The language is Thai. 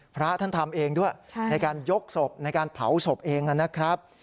พระท่านทำเองด้วยในการยกศพในการเผาศพเองนะครับ